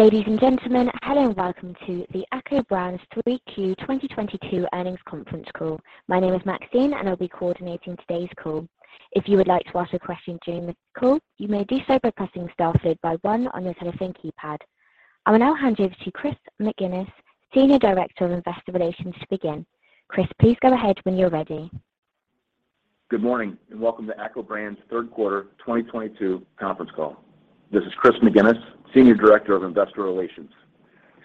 Ladies and gentlemen, hello and welcome to the ACCO Brands 3Q 2022 Earnings Conference Call. My name is Maxine, and I'll be coordinating today's call. If you would like to ask a question during the call, you may do so by pressing star followed by one on your telephone keypad. I will now hand you over to Chris McGinnis, Senior Director of Investor Relations, to begin. Chris, please go ahead when you're ready. Good morning, welcome to ACCO Brands Third Quarter 2022 conference call. This is Chris McGinnis, Senior Director of Investor Relations.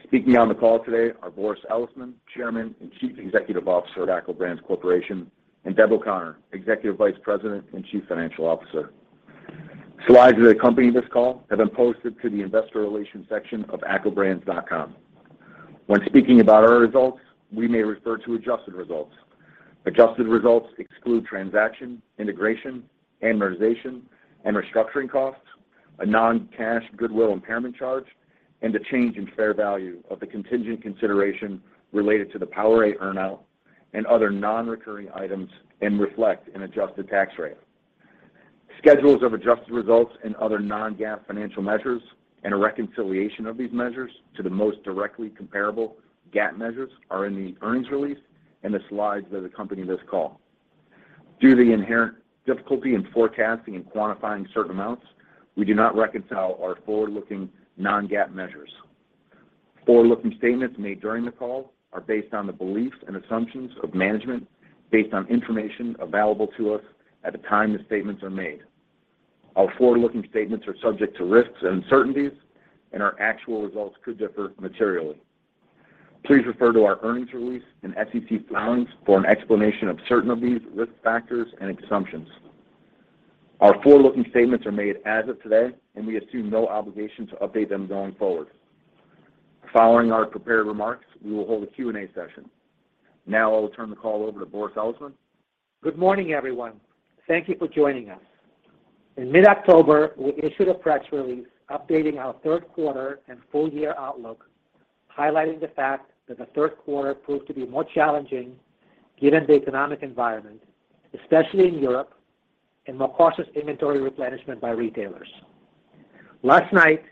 Speaking on the call today are Boris Elisman, Chairman and Chief Executive Officer at ACCO Brands Corporation, and Deb O'Connor, Executive Vice President and Chief Financial Officer. Slides that accompany this call have been posted to the investor relations section of accobrands.com. When speaking about our results, we may refer to adjusted results. Adjusted results exclude transaction, integration, amortization, and restructuring costs, a non-cash goodwill impairment charge, and a change in fair value of the contingent consideration related to the PowerA earnout and other non-recurring items and reflect an adjusted tax rate. Schedules of adjusted results and other non-GAAP financial measures and a reconciliation of these measures to the most directly comparable GAAP measures are in the earnings release and the slides that accompany this call. Due to the inherent difficulty in forecasting and quantifying certain amounts, we do not reconcile our forward-looking non-GAAP measures. Forward-looking statements made during the call are based on the beliefs and assumptions of management based on information available to us at the time the statements are made. Our forward-looking statements are subject to risks and uncertainties, and our actual results could differ materially. Please refer to our earnings release and SEC filings for an explanation of certain of these risk factors and assumptions. Our forward-looking statements are made as of today, and we assume no obligation to update them going forward. Following our prepared remarks, we will hold a Q&A session. Now I will turn the call over to Boris Elisman. Good morning, everyone. Thank you for joining us. In mid-October, we issued a press release updating our third quarter and full year outlook, highlighting the fact that the third quarter proved to be more challenging given the economic environment, especially in Europe, and more cautious inventory replenishment by retailers. Last night,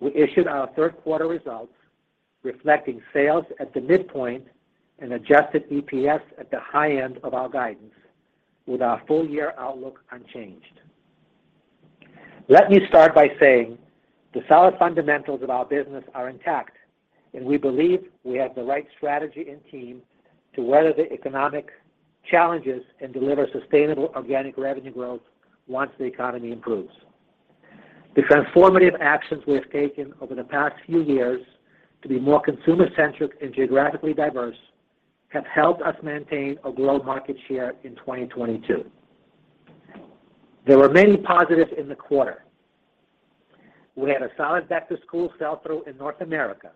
we issued our third quarter results reflecting sales at the midpoint and adjusted EPS at the high end of our guidance with our full year outlook unchanged. Let me start by saying the solid fundamentals of our business are intact, and we believe we have the right strategy and team to weather the economic challenges and deliver sustainable organic revenue growth once the economy improves. The transformative actions we have taken over the past few years to be more consumer-centric and geographically diverse have helped us maintain a global market share in 2022. There were many positives in the quarter. We had a solid back-to-school sell-through in North America.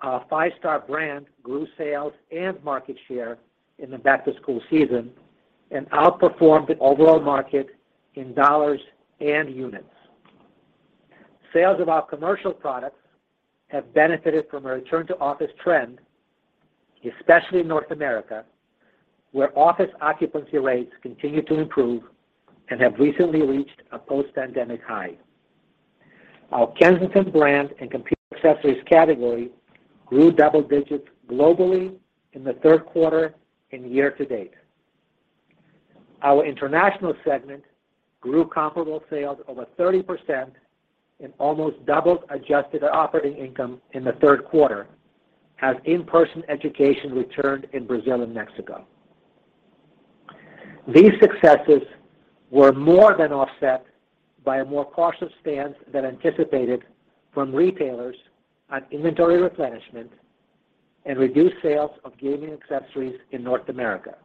Our Five Star brand grew sales and market share in the back-to-school season and outperformed the overall market in dollars and units. Sales of our commercial products have benefited from a return to office trend, especially in North America, where office occupancy rates continue to improve and have recently reached a post-pandemic high. Our Kensington brand and computer accessories category grew double digits globally in the third quarter and year to date. Our international segment grew comparable sales over 30% and almost doubled adjusted operating income in the third quarter as in-person education returned in Brazil and Mexico. These successes were more than offset by a more cautious stance than anticipated from retailers on inventory replenishment and reduced sales of gaming accessories in North America,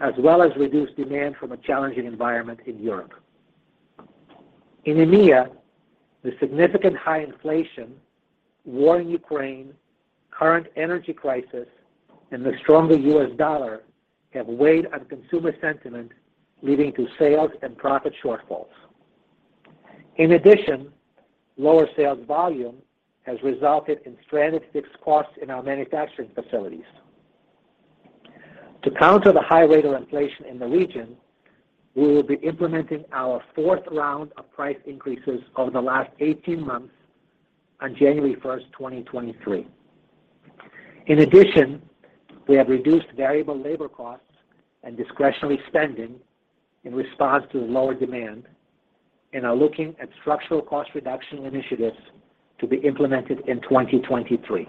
as well as reduced demand from a challenging environment in Europe. In EMEA, the significant high inflation, war in Ukraine, current energy crisis, and the stronger U.S. dollar have weighed on consumer sentiment, leading to sales and profit shortfalls. In addition, lower sales volume has resulted in stranded fixed costs in our manufacturing facilities. To counter the high rate of inflation in the region, we will be implementing our fourth round of price increases over the last 18 months on January first, 2023. In addition, we have reduced variable labor costs and discretionary spending in response to the lower demand and are looking at structural cost reduction initiatives to be implemented in 2023.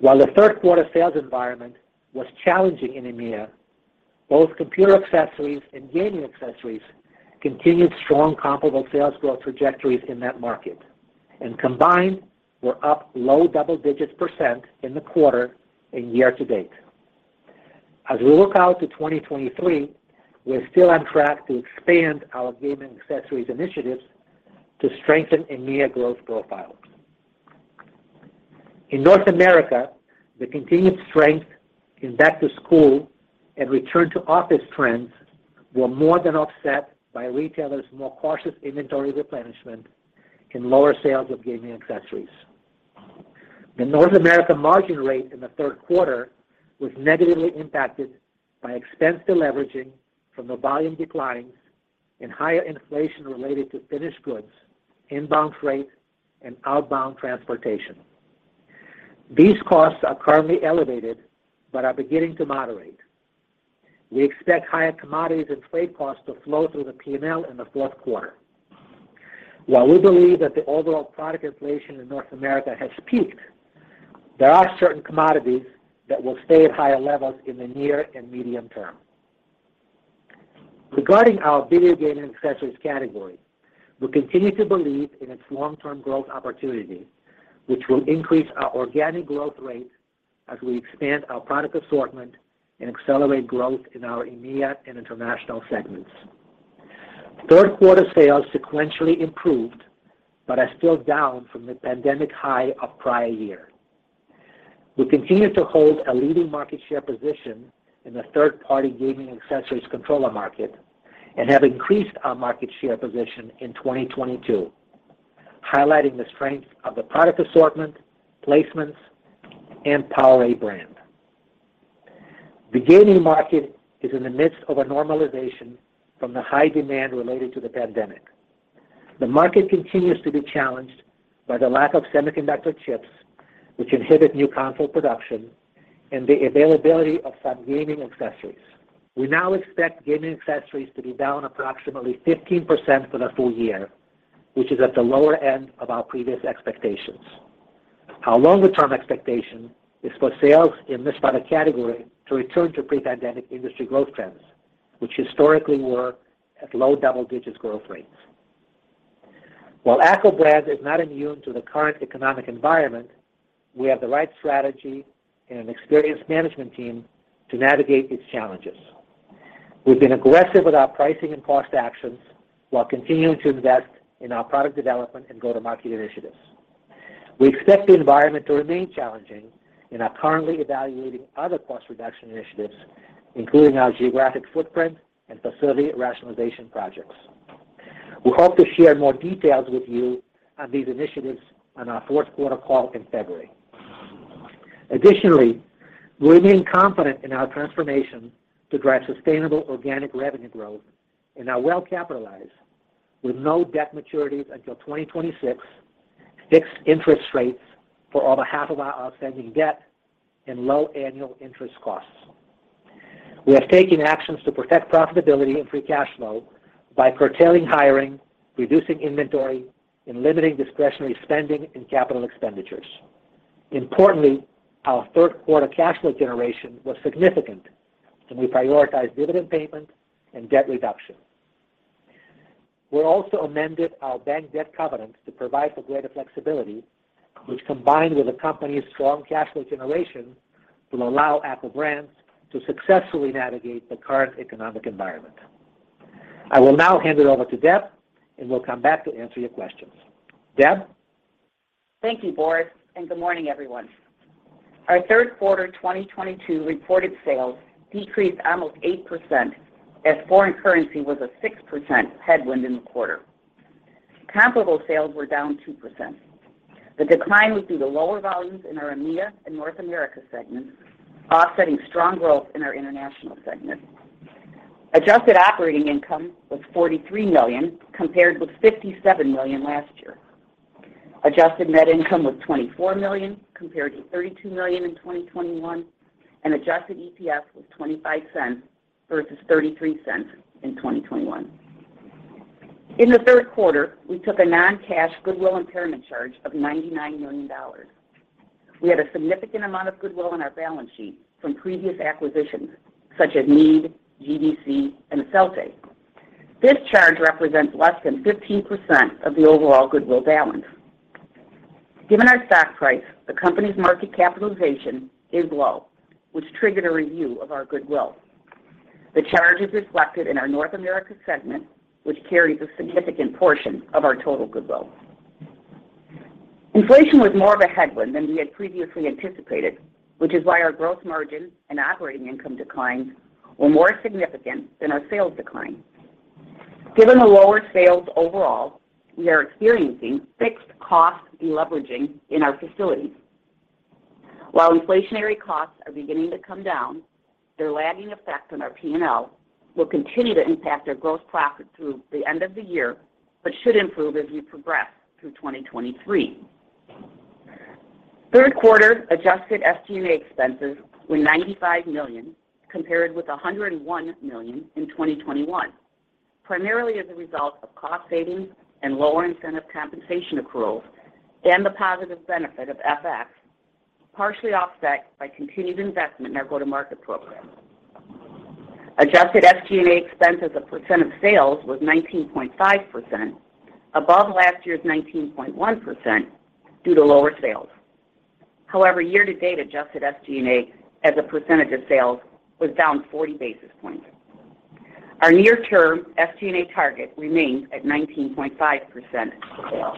While the third quarter sales environment was challenging in EMEA, both computer accessories and gaming accessories continued strong comparable sales growth trajectories in that market and combined were up low double-digit% in the quarter and year to date. As we look out to 2023, we are still on track to expand our gaming accessories initiatives to strengthen EMEA growth profile. In North America, the continued strength in back-to-school and return-to-office trends were more than offset by retailers' more cautious inventory replenishment and lower sales of gaming accessories. The North America margin rate in the third quarter was negatively impacted by expense deleveraging from the volume declines and higher inflation related to finished goods, inbound freight, and outbound transportation. These costs are currently elevated but are beginning to moderate. We expect higher commodities and freight costs to flow through the P&L in the fourth quarter. While we believe that the overall product inflation in North America has peaked, there are certain commodities that will stay at higher levels in the near and medium term. Regarding our video game and accessories category, we continue to believe in its long-term growth opportunity, which will increase our organic growth rate as we expand our product assortment and accelerate growth in our EMEA and international segments. Third quarter sales sequentially improved, but are still down from the pandemic high of prior year. We continue to hold a leading market share position in the third-party gaming accessories controller market and have increased our market share position in 2022, highlighting the strength of the product assortment, placements, and PowerA brand. The gaming market is in the midst of a normalization from the high demand related to the pandemic. The market continues to be challenged by the lack of semiconductor chips, which inhibit new console production and the availability of some gaming accessories. We now expect gaming accessories to be down approximately 15% for the full year, which is at the lower end of our previous expectations. Our longer term expectation is for sales in this product category to return to pre-pandemic industry growth trends, which historically were at low double digits growth rates. While ACCO Brands is not immune to the current economic environment, we have the right strategy and an experienced management team to navigate these challenges. We've been aggressive with our pricing and cost actions while continuing to invest in our product development and go-to-market initiatives. We expect the environment to remain challenging and are currently evaluating other cost reduction initiatives, including our geographic footprint and facility rationalization projects. We hope to share more details with you on these initiatives on our fourth quarter call in February. Additionally, we remain confident in our transformation to drive sustainable organic revenue growth and are well capitalized with no debt maturities until 2026, fixed interest rates for over half of our outstanding debt, and low annual interest costs. We have taken actions to protect profitability and free cash flow by curtailing hiring, reducing inventory, and limiting discretionary spending and capital expenditures. Importantly, our third quarter cash flow generation was significant, and we prioritized dividend payments and debt reduction. We also amended our bank debt covenants to provide for greater flexibility, which combined with the company's strong cash flow generation, will allow ACCO Brands to successfully navigate the current economic environment. I will now hand it over to Deb, and we'll come back to answer your questions. Deb. Thank you, Boris, and good morning, everyone. Our third quarter 2022 reported sales decreased almost 8% as foreign currency was a 6% headwind in the quarter. Comparable sales were down 2%. The decline was due to lower volumes in our EMEA and North America segments, offsetting strong growth in our international segment. Adjusted operating income was $43 million compared with $57 million last year. Adjusted net income was $24 million compared to $32 million in 2021, and adjusted EPS was $0.25 versus $0.33 in 2021. In the third quarter, we took a non-cash goodwill impairment charge of $99 million. We had a significant amount of goodwill on our balance sheet from previous acquisitions such as Mead, GBC, and Esselte. This charge represents less than 15% of the overall goodwill balance. Given our stock price, the company's market capitalization is low, which triggered a review of our goodwill. The charge is reflected in our North America segment, which carries a significant portion of our total goodwill. Inflation was more of a headwind than we had previously anticipated, which is why our gross margin and operating income declines were more significant than our sales declines. Given the lower sales overall, we are experiencing fixed cost deleveraging in our facilities. While inflationary costs are beginning to come down, their lagging effect on our P&L will continue to impact our gross profit through the end of the year, but should improve as we progress through 2023. Third quarter adjusted SG&A expenses were $95 million compared with $101 million in 2021, primarily as a result of cost savings and lower incentive compensation accruals and the positive benefit of FX, partially offset by continued investment in our go-to-market programs. Adjusted SG&A expense as a percent of sales was 19.5%, above last year's 19.1% due to lower sales. However, year-to-date adjusted SG&A as a percentage of sales was down 40 basis points. Our near-term SG&A target remains at 19.5% of sales.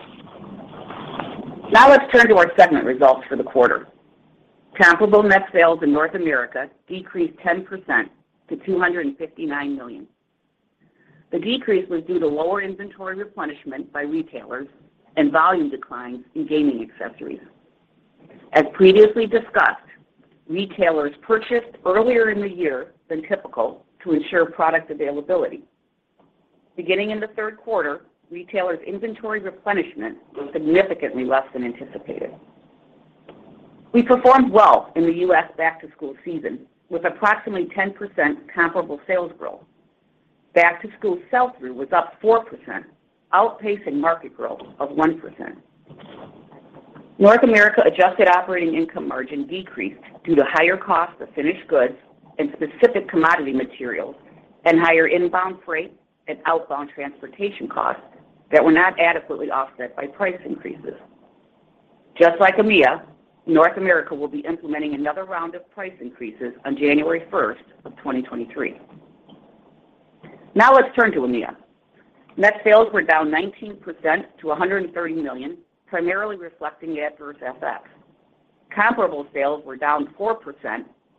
Now let's turn to our segment results for the quarter. Comparable net sales in North America decreased 10% to $259 million. The decrease was due to lower inventory replenishment by retailers and volume declines in gaming accessories. As previously discussed, retailers purchased earlier in the year than typical to ensure product availability. Beginning in the third quarter, retailers' inventory replenishment was significantly less than anticipated. We performed well in the U.S. back-to-school season with approximately 10% comparable sales growth. Back-to-school sell-through was up 4%, outpacing market growth of 1%. North America adjusted operating income margin decreased due to higher costs of finished goods and specific commodity materials and higher inbound freight and outbound transportation costs that were not adequately offset by price increases. Just like EMEA, North America will be implementing another round of price increases on January 1, 2023. Now let's turn to EMEA. Net sales were down 19% to $130 million, primarily reflecting adverse FX. Comparable sales were down 4%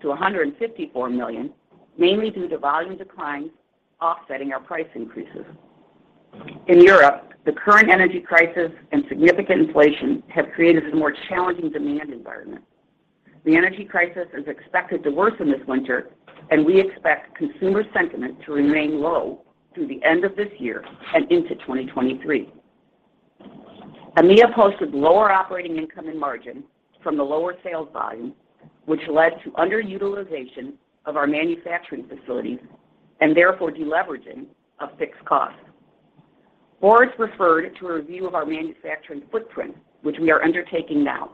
to $154 million, mainly due to volume declines offsetting our price increases. In Europe, the current energy crisis and significant inflation have created a more challenging demand environment. The energy crisis is expected to worsen this winter, and we expect consumer sentiment to remain low through the end of this year and into 2023. EMEA posted lower operating income and margin from the lower sales volume, which led to underutilization of our manufacturing facilities and therefore de-leveraging of fixed costs. Boris referred to a review of our manufacturing footprint, which we are undertaking now.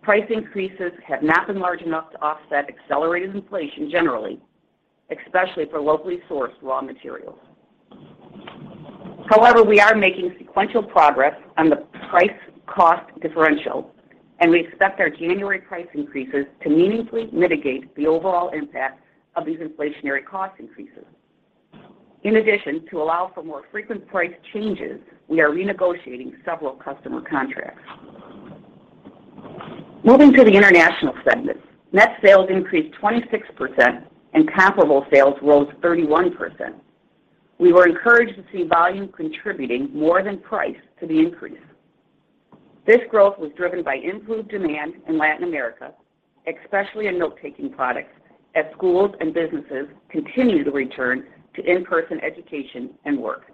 Price increases have not been large enough to offset accelerated inflation generally, especially for locally sourced raw materials. However, we are making sequential progress on the price-cost differential, and we expect our January price increases to meaningfully mitigate the overall impact of these inflationary cost increases. In addition, to allow for more frequent price changes, we are renegotiating several customer contracts. Moving to the international segment. Net sales increased 26%, and comparable sales rose 31%. We were encouraged to see volume contributing more than price to the increase. This growth was driven by improved demand in Latin America, especially in note-taking products, as schools and businesses continue to return to in-person education and work.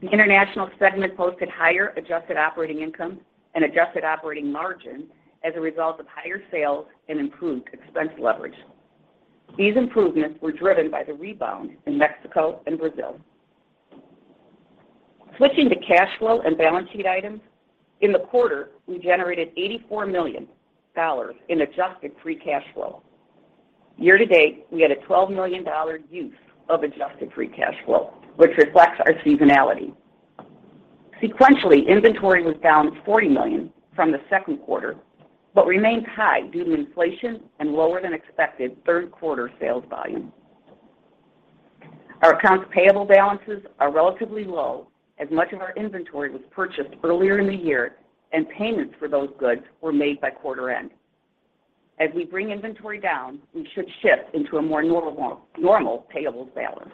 The international segment posted higher adjusted operating income and adjusted operating margin as a result of higher sales and improved expense leverage. These improvements were driven by the rebound in Mexico and Brazil. Switching to cash flow and balance sheet items. In the quarter, we generated $84 million in adjusted free cash flow. Year to date, we had a $12 million use of adjusted free cash flow, which reflects our seasonality. Sequentially, inventory was down $40 million from the second quarter, but remains high due to inflation and lower than expected third quarter sales volume. Our accounts payable balances are relatively low as much of our inventory was purchased earlier in the year and payments for those goods were made by quarter-end. As we bring inventory down, we should shift into a more normal payables balance.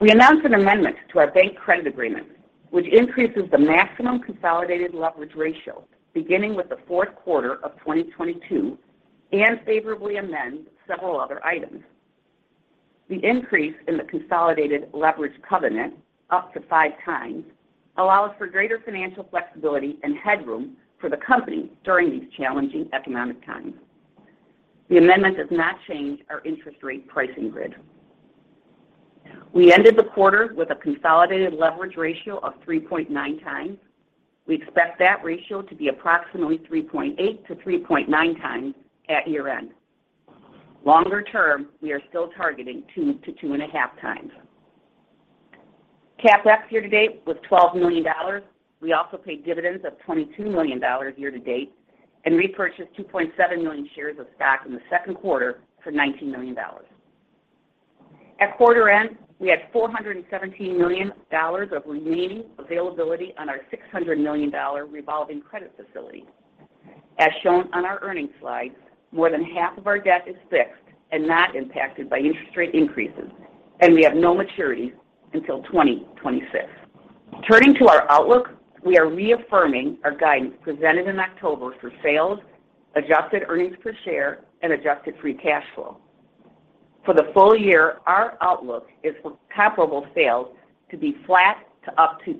We announced an amendment to our bank credit agreement, which increases the maximum consolidated leverage ratio beginning with the fourth quarter of 2022 and favorably amends several other items. The increase in the consolidated leverage covenant up to 5x allows for greater financial flexibility and headroom for the company during these challenging economic times. The amendment does not change our interest rate pricing grid. We ended the quarter with a consolidated leverage ratio of 3.9x. We expect that ratio to be approximately 3.8x-3.9x at year-end. Longer term, we are still targeting 2x-2.5x. CapEx year to date was $12 million. We also paid dividends of $22 million year to date and repurchased 2.7 million shares of stock in the second quarter for $19 million. At quarter end, we had $417 million of remaining availability on our $600 million revolving credit facility. As shown on our earnings slides, more than half of our debt is fixed and not impacted by interest rate increases, and we have no maturities until 2026. Turning to our outlook, we are reaffirming our guidance presented in October for sales, adjusted earnings per share, and adjusted free cash flow. For the full year, our outlook is for comparable sales to be flat to up 2%.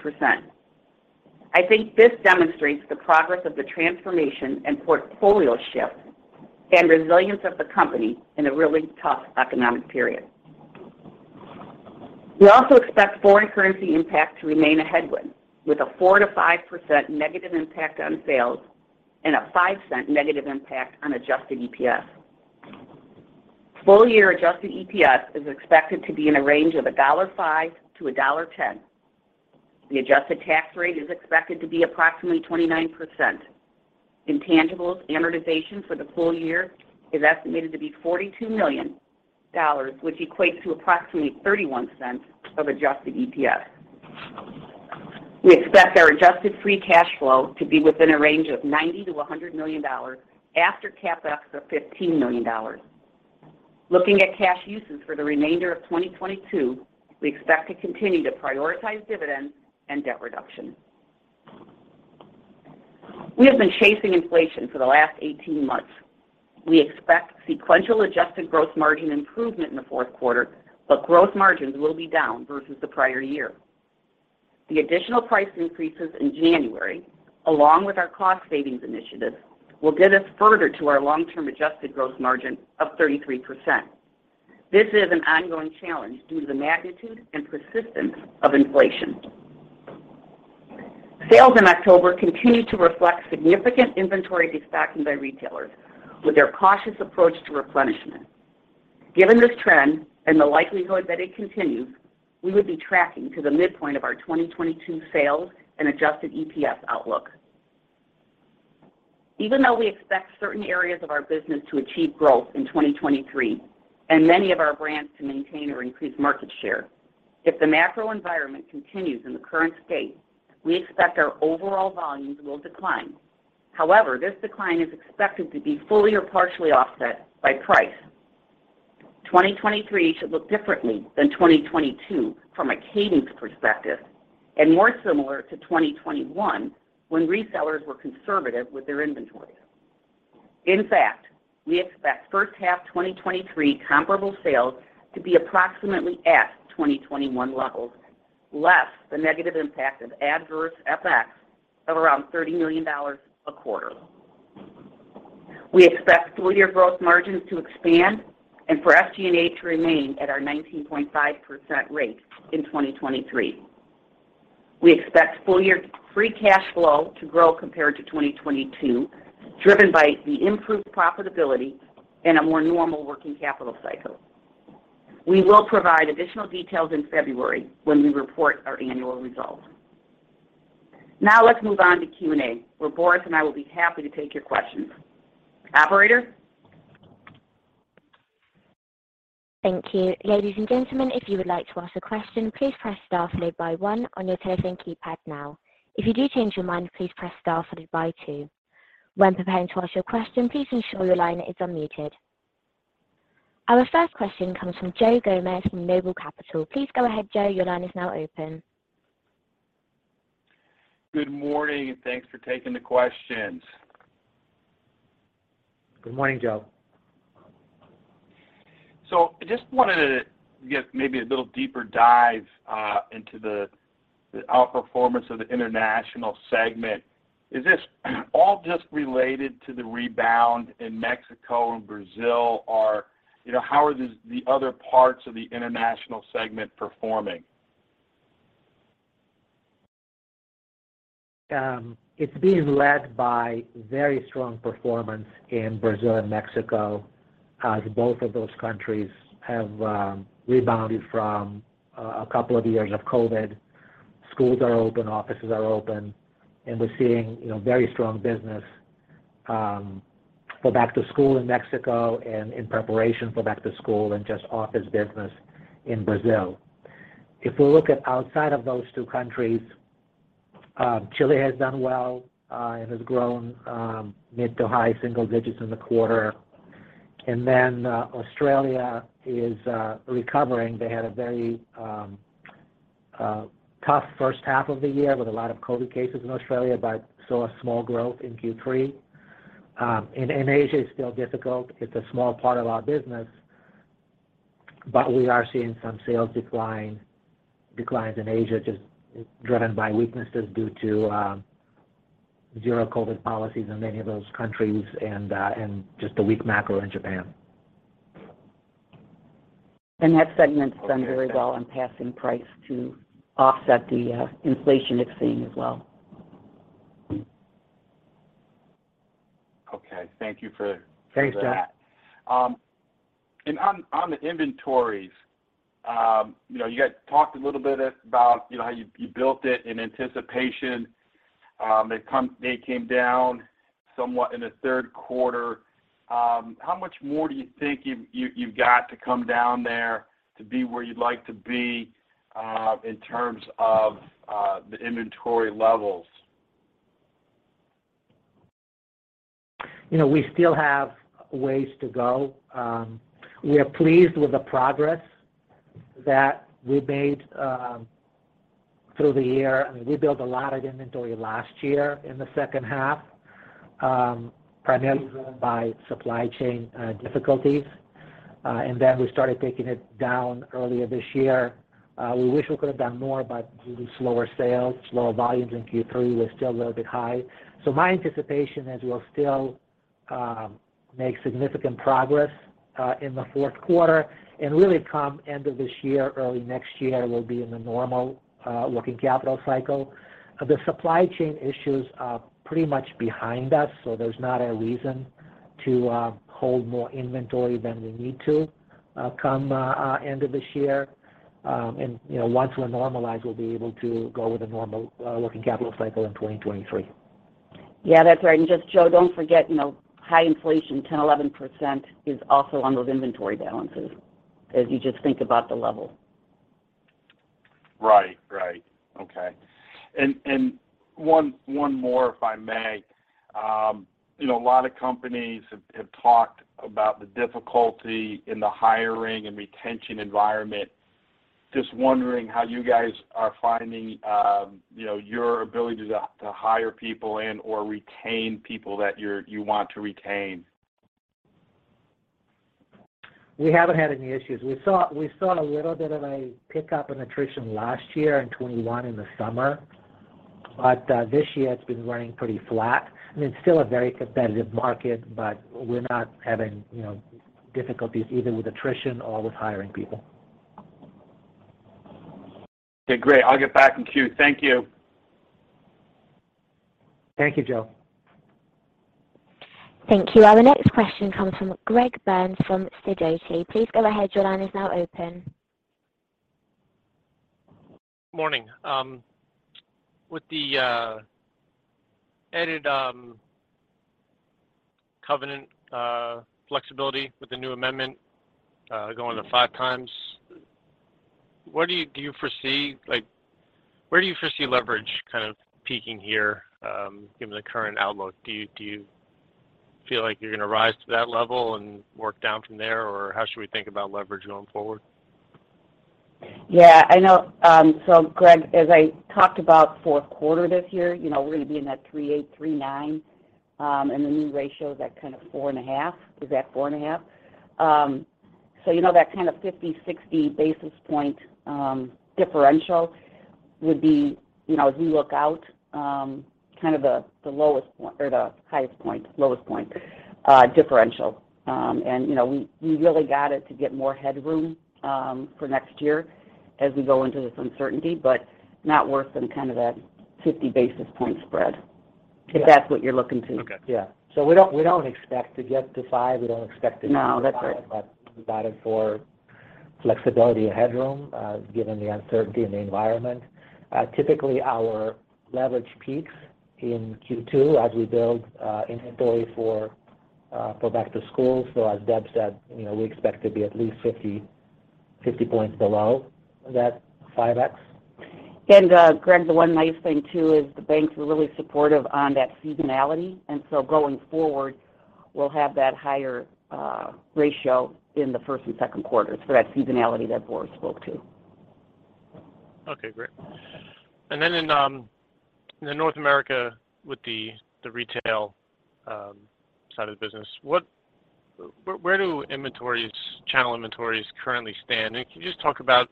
I think this demonstrates the progress of the transformation and portfolio shift and resilience of the company in a really tough economic period. We also expect foreign currency impact to remain a headwind, with a 4%-5% negative impact on sales and a $0.05 negative impact on adjusted EPS. Full-year adjusted EPS is expected to be in a range of $1.05-$1.10. The adjusted tax rate is expected to be approximately 29%. Intangibles amortization for the full year is estimated to be $42 million, which equates to approximately $0.31 of adjusted EPS. We expect our adjusted free cash flow to be within a range of $90 million-$100 million after CapEx of $15 million. Looking at cash uses for the remainder of 2022, we expect to continue to prioritize dividends and debt reduction. We have been chasing inflation for the last 18 months. We expect sequential adjusted gross margin improvement in the fourth quarter, but growth margins will be down versus the prior year. The additional price increases in January, along with our cost savings initiatives, will get us further to our long-term adjusted gross margin of 33%. This is an ongoing challenge due to the magnitude and persistence of inflation. Sales in October continued to reflect significant inventory de-stocking by retailers with their cautious approach to replenishment. Given this trend and the likelihood that it continues, we would be tracking to the midpoint of our 2022 sales and adjusted EPS outlook. Even though we expect certain areas of our business to achieve growth in 2023 and many of our brands to maintain or increase market share, if the macro environment continues in the current state, we expect our overall volumes will decline. However, this decline is expected to be fully or partially offset by price. 2023 should look differently than 2022 from a cadence perspective and more similar to 2021 when resellers were conservative with their inventory. In fact, we expect first half 2023 comparable sales to be approximately at 2021 levels, less the negative impact of adverse FX of around $30 million a quarter. We expect full year gross margins to expand and for SG&A to remain at our 19.5% rate in 2023. We expect full year free cash flow to grow compared to 2022, driven by the improved profitability and a more normal working capital cycle. We will provide additional details in February when we report our annual results. Now let's move on to Q&A, where Boris and I will be happy to take your questions. Operator? Thank you. Ladies and gentlemen, if you would like to ask a question, please press star followed by one on your telephone keypad now. If you do change your mind, please press star followed by two. When preparing to ask your question, please ensure your line is unmuted. Our first question comes from Joe Gomes from Noble Capital. Please go ahead, Joe. Your line is now open. Good morning, and thanks for taking the questions. Good morning, Joe. Just wanted to get maybe a little deeper dive into the outperformance of the international segment. Is this all just related to the rebound in Mexico and Brazil, or, you know, how are the other parts of the international segment performing? It's being led by very strong performance in Brazil and Mexico, as both of those countries have rebounded from a couple of years of COVID. Schools are open, offices are open, and we're seeing, you know, very strong business for back to school in Mexico and in preparation for back to school and just office business in Brazil. If we look at outside of those two countries, Chile has done well and has grown mid- to high-single digits in the quarter. Then, Australia is recovering. They had a very tough first half of the year with a lot of COVID cases in Australia, but saw a small growth in Q3, and Asia is still difficult. It's a small part of our business, but we are seeing some sales declines in Asia just driven by weaknesses due to zero COVID policies in many of those countries and just the weak macro in Japan. That segment's done very well on passing price to offset the inflation it's seeing as well. Okay. Thank you for that. Thanks, Joe. On the inventories, you know, you guys talked a little bit about, you know, how you built it in anticipation. It came down somewhat in the third quarter. How much more do you think you've got to come down there to be where you'd like to be, in terms of the inventory levels? You know, we still have ways to go. We are pleased with the progress that we made through the year. I mean, we built a lot of inventory last year in the second half, primarily driven by supply chain difficulties. We started taking it down earlier this year. We wish we could have done more, but due to slower sales, lower volumes in Q3, we're still a little bit high. My anticipation is we'll still make significant progress in the fourth quarter. Really come end of this year, early next year, we'll be in the normal working capital cycle. The supply chain issues are pretty much behind us, so there's not a reason to hold more inventory than we need to come end of this year. You know, once we're normalized, we'll be able to go with a normal working capital cycle in 2023. Yeah, that's right. Just, Joe, don't forget, you know, high inflation, 10%-11%, is also on those inventory balances as you just think about the level. Right. Okay. One more, if I may. You know, a lot of companies have talked about the difficulty in the hiring and retention environment. Just wondering how you guys are finding, you know, your ability to hire people and/or retain people that you want to retain. We haven't had any issues. We saw a little bit of a pickup in attrition last year in 2021 in the summer. This year it's been running pretty flat. I mean, it's still a very competitive market, but we're not having, you know, difficulties either with attrition or with hiring people. Okay, great. I'll get back in queue. Thank you. Thank you, Joe. Thank you. Our next question comes from Greg Burns from Sidoti. Please go ahead. Your line is now open. Morning. With the added covenant flexibility with the new amendment going to 5x, what do you foresee? Like, where do you foresee leverage kind of peaking here, given the current outlook? Do you feel like you're gonna rise to that level and work down from there? Or how should we think about leverage going forward? Yeah, I know. So Greg, as I talked about fourth quarter this year, you know, we're gonna be in that 3.8, 3.9, and the new ratio is at kind of 4.5. It's at 4.5. So, you know, that kind of 50-60 basis point differential would be, you know, as we look out, kind of the lowest point or the highest point differential. You know, we really gotta get more headroom for next year as we go into this uncertainty, but not worse than kind of that 50 basis point spread, if that's what you're looking to. Okay. Yeah. We don't expect to get to five. No, that's right. We got it for flexibility and headroom, given the uncertainty in the environment. Typically, our leverage peaks in Q2 as we build inventory for back to school. As Deb said, you know, we expect to be at least 50 points below that 5x. Greg, the one nice thing too is the banks were really supportive on that seasonality. Going forward, we'll have that higher ratio in the first and second quarters for that seasonality that Boris spoke to. Okay, great. In North America with the retail side of the business, where do inventories, channel inventories currently stand? Can you just talk about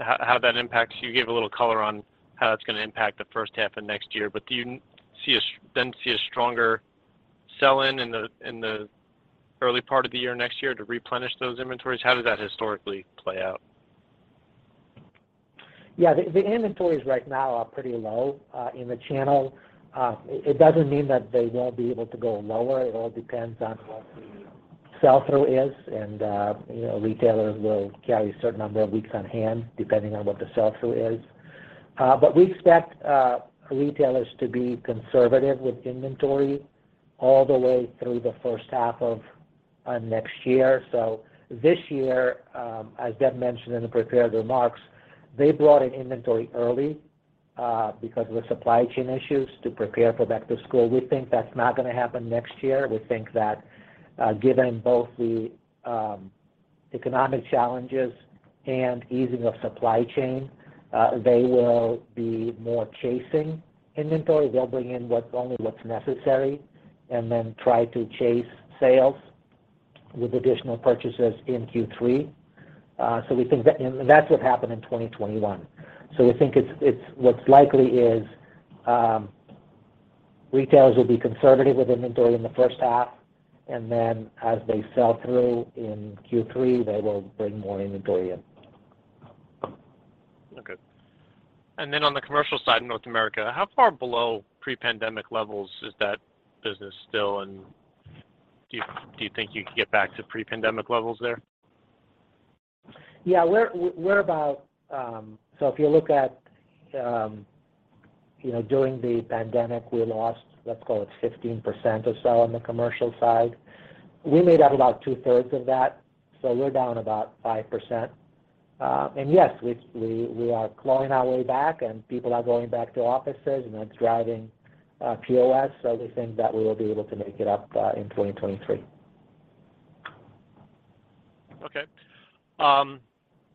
how that impacts. You gave a little color on how that's gonna impact the first half of next year. Do you see a stronger sell-in in the early part of the year next year to replenish those inventories? How does that historically play out? Yeah. The inventories right now are pretty low in the channel. It doesn't mean that they won't be able to go lower. It all depends on what the sell-through is. You know, retailers will carry a certain number of weeks on hand depending on what the sell-through is. We expect retailers to be conservative with inventory all the way through the first half of next year. This year, as Deb mentioned in the prepared remarks, they brought in inventory early because of the supply chain issues to prepare for back to school. We think that's not gonna happen next year. We think that, given both the economic challenges and easing of supply chain, they will be more chasing inventory. They'll bring in only what's necessary and then try to chase sales with additional purchases in Q3. We think that that's what happened in 2021. We think what's likely is retailers will be conservative with inventory in the first half, and then as they sell through in Q3, they will bring more inventory in. Okay. On the commercial side in North America, how far below pre-pandemic levels is that business still? Do you think you can get back to pre-pandemic levels there? Yeah. We're about. If you look at, you know, during the pandemic, we lost, let's call it 15% or so on the commercial side. We made up about two-thirds of that, so we're down about 5%. Yes, we are clawing our way back, and people are going back to offices, and that's driving POS. We think that we will be able to make it up in 2023.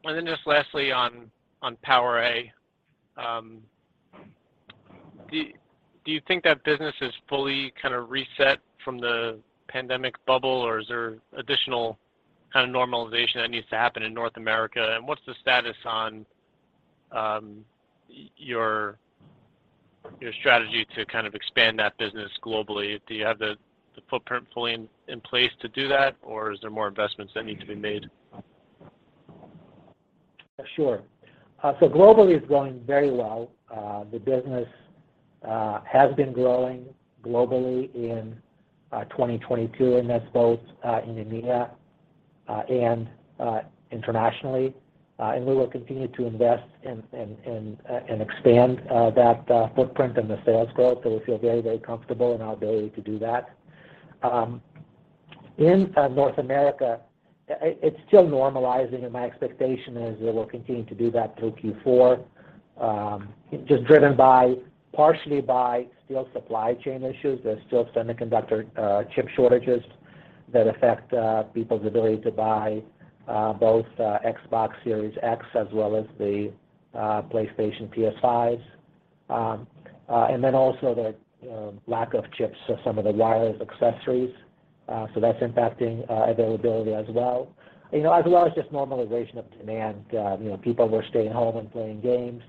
Okay. Just lastly on PowerA. Do you think that business is fully kind of reset from the pandemic bubble, or is there additional kind of normalization that needs to happen in North America? What's the status on your strategy to kind of expand that business globally? Do you have the footprint fully in place to do that, or is there more investments that needs to be made? Globally is going very well. The business has been growing globally in 2022, and that's both in EMEA and internationally. We will continue to invest and expand that footprint and the sales growth. We feel very comfortable in our ability to do that. In North America, it's still normalizing, and my expectation is that we'll continue to do that through Q4, just driven partially by still supply chain issues. There's still semiconductor chip shortages that affect people's ability to buy both Xbox Series X as well as the PlayStation 5s. The lack of chips for some of the wireless accessories. That's impacting availability as well. You know, as well as just normalization of demand. You know, people were staying home and playing games.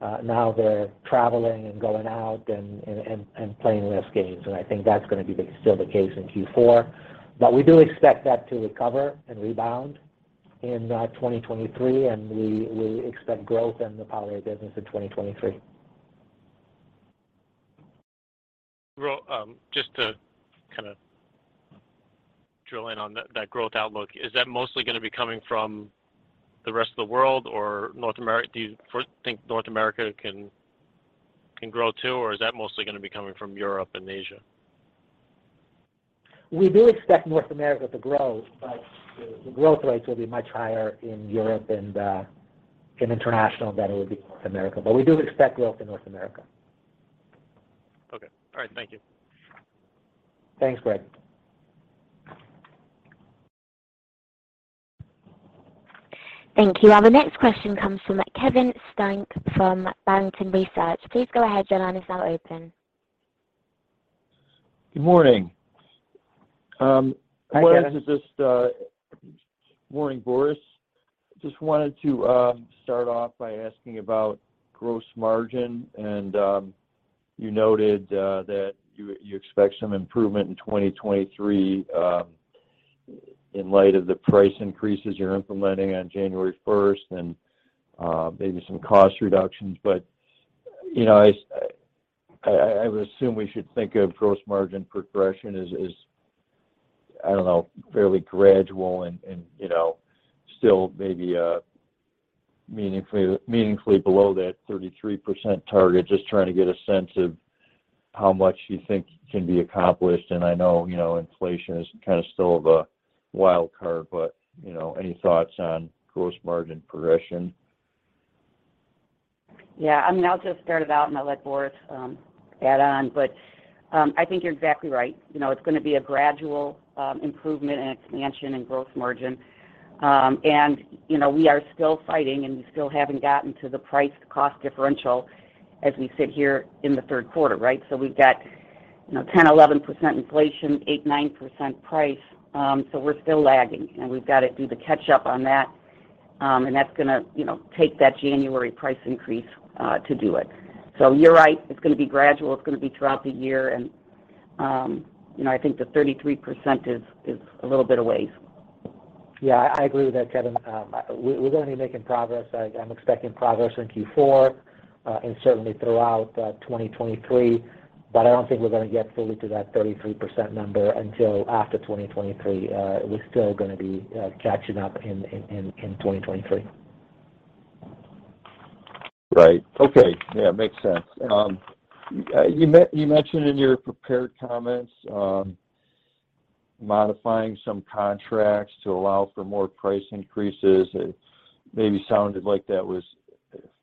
Now they're traveling and going out and playing less games, and I think that's gonna be still the case in Q4. We do expect that to recover and rebound in 2023, and we expect growth in the PowerA business in 2023. Just to kind of drill in on that growth outlook, is that mostly gonna be coming from the rest of the world? Do you first think North America can grow too, or is that mostly gonna be coming from Europe and Asia? We do expect North America to grow, but the growth rates will be much higher in Europe and in international than it would be North America. But we do expect growth in North America. Okay. All right. Thank you. Thanks, Greg. Thank you. Our next question comes from Kevin Steinke from Barrington Research. Please go ahead. Your line is now open. Good morning. Hi, Kevin. Morning, Boris. Just wanted to start off by asking about gross margin and you noted that you expect some improvement in 2023 in light of the price increases you're implementing on January first and maybe some cost reductions. You know, I would assume we should think of gross margin progression as I don't know fairly gradual and you know still maybe meaningfully below that 33% target. Just trying to get a sense of how much you think can be accomplished, and I know you know inflation is kind of still the wild card, but you know any thoughts on gross margin progression? Yeah. I mean, I'll just start it out, and I'll let Boris add on. I think you're exactly right. You know, it's gonna be a gradual improvement and expansion in growth margin. You know, we are still fighting, and we still haven't gotten to the price cost differential as we sit here in the third quarter, right? We've got, you know, 10%-11% inflation, 8%-9% price, so we're still lagging, and we've got to do the catch-up on that. That's gonna, you know, take that January price increase to do it. You're right, it's gonna be gradual. It's gonna be throughout the year and, you know, I think the 33% is a little bit aways. Yeah. I agree with that, Kevin. We're gonna be making progress. I'm expecting progress in Q4 and certainly throughout 2023, but I don't think we're gonna get fully to that 33% number until after 2023. We're still gonna be catching up in 2023. Right. Okay. Yeah. Makes sense. You mentioned in your prepared comments modifying some contracts to allow for more price increases. It maybe sounded like that was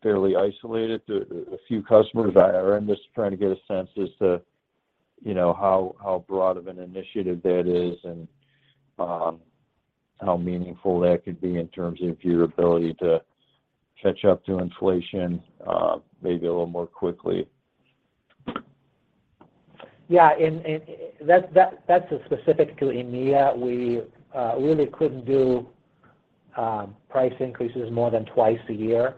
fairly isolated to a few customers. I'm just trying to get a sense as to, you know, how broad of an initiative that is and how meaningful that could be in terms of your ability to catch up to inflation, maybe a little more quickly. That's specific to EMEA. We really couldn't do price increases more than twice a year.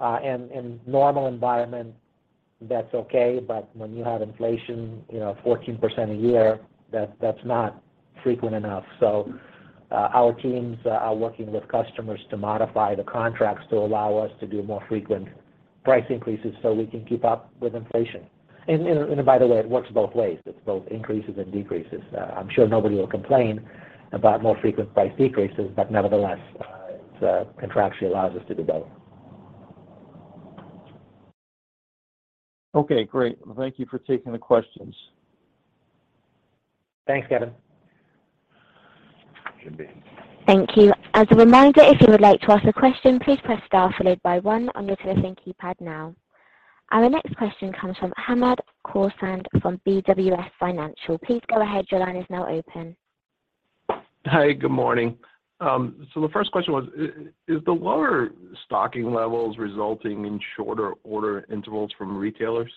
In normal environment, that's okay, but when you have inflation, you know, 14% a year, that's not frequent enough. Our teams are working with customers to modify the contracts to allow us to do more frequent price increases so we can keep up with inflation. You know, by the way, it works both ways. It's both increases and decreases. I'm sure nobody will complain about more frequent price decreases, but nevertheless, it's contractually allows us to do both. Okay. Great. Thank you for taking the questions. Thanks, Kevin. Should be. Thank you. As a reminder, if you would like to ask a question, please press star followed by one on your telephone keypad now. Our next question comes from Hamed Khorsand from BWS Financial. Please go ahead. Your line is now open. Hi. Good morning. The first question was, is the lower stocking levels resulting in shorter order intervals from retailers?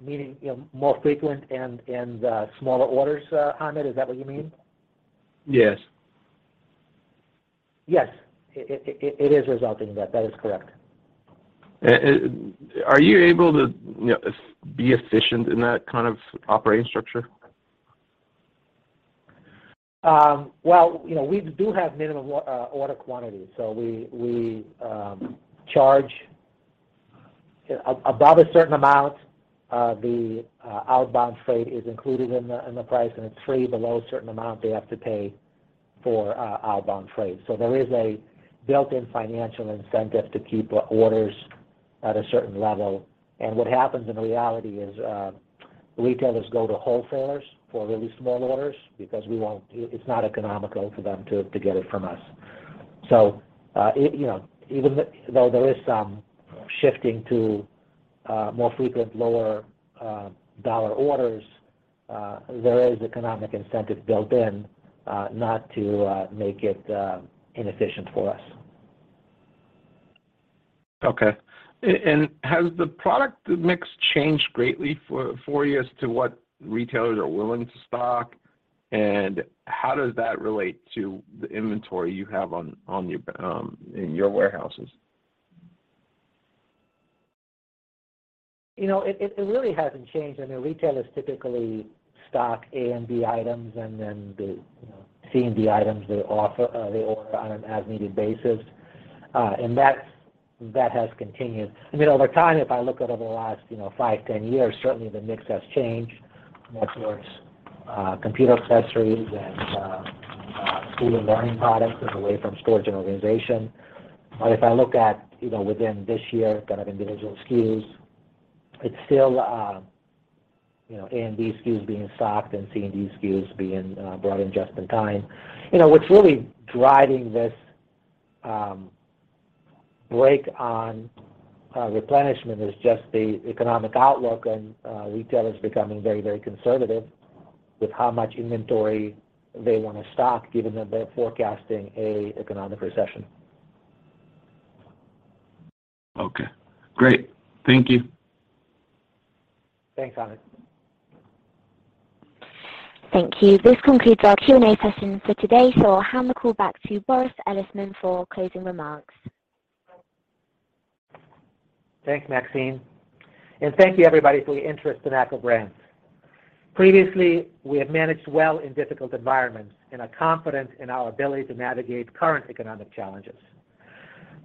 Meaning, you know, more frequent and smaller orders, Hamed? Is that what you mean? Yes. Yes. It is resulting in that. That is correct. Are you able to, you know, be efficient in that kind of operating structure? Well, you know, we do have minimum order quantities. So we charge above a certain amount, the outbound freight is included in the price, and it's not free below a certain amount; they have to pay for outbound freight. So there is a built-in financial incentive to keep orders at a certain level. What happens in reality is, retailers go to wholesalers for really small orders because it's not economical for them to get it from us. You know, even though there is some shifting to more frequent lower dollar orders, there is economic incentive built in not to make it inefficient for us. Okay. Has the product mix changed greatly for you as to what retailers are willing to stock? How does that relate to the inventory you have in your warehouses? You know, it really hasn't changed. I know retailers typically stock A and B items and then the, you know, C and D items they offer, they order on an as-needed basis. That has continued. I mean, over time, if I look at over the last, you know, 5, 10 years, certainly the mix has changed more towards computer accessories and school and learning products away from storage and organization. If I look at, you know, within this year, kind of individual SKUs, it's still, you know, A and B SKUs being stocked and C and D SKUs being brought in just in time. You know, what's really driving this brake on replenishment is just the economic outlook and retailers becoming very, very conservative with how much inventory they wanna stock, given that they're forecasting an economic recession. Okay. Great. Thank you. Thanks, Hamed Khorsand. Thank you. This concludes our Q&A session for today, so I'll hand the call back to Boris Elisman for closing remarks. Thanks, Maxine. Thank you everybody for your interest in ACCO Brands. Previously, we have managed well in difficult environments and are confident in our ability to navigate current economic challenges.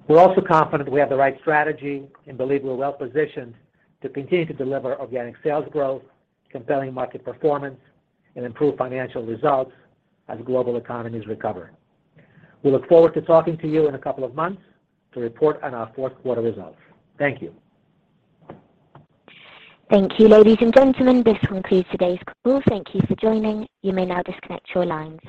We're also confident we have the right strategy and believe we're well positioned to continue to deliver organic sales growth, compelling market performance, and improve financial results as global economies recover. We look forward to talking to you in a couple of months to report on our fourth quarter results. Thank you. Thank you, ladies and gentlemen. This concludes today's call. Thank you for joining. You may now disconnect your lines.